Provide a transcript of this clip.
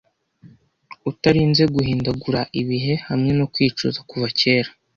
utarinze guhindagura ibihe hamwe no kwicuza kuva kera